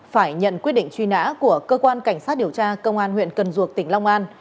phải nhận quyết định truy nã của cơ quan cảnh sát điều tra công an huyện cần duộc tỉnh long an